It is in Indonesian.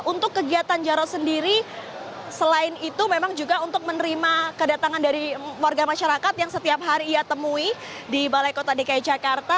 untuk kegiatan jarod sendiri selain itu memang juga untuk menerima kedatangan dari warga masyarakat yang setiap hari ia temui di balai kota dki jakarta